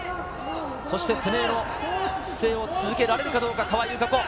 そして攻めへの姿勢を続けられるかどうか、川井友香子。